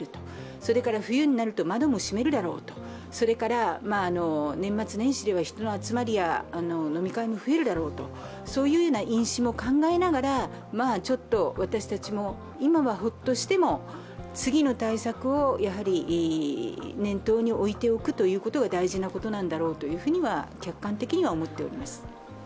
それから冬になると窓も閉めるだろうと、年末年始では人の集まりや飲み会も増えるだろうという因子も考えながら私たちも今はホッとしても、次の対策を念頭に置いておくことが大事なことなんだろうと客観的には思っております。